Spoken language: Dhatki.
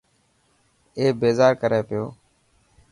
اي بيزار ڪري پيو.